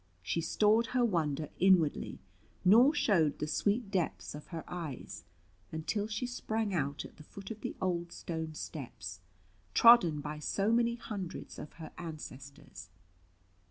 She stored her wonder inwardly, nor showed the sweet depths of her eyes, until she sprang out at the foot of the old stone steps, trodden by so many hundreds of her ancestors.